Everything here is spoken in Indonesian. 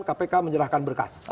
kpk menyerahkan berkas